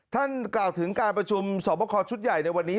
ท่านกล่าวถึงการประชุมสอบคอชุดใหญ่ในวันนี้